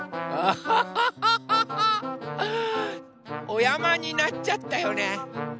おやまになっちゃったよね。